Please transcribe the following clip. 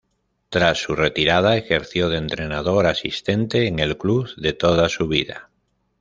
Tras su retirada, ejerció de entrenador asistente en el club de toda su vida.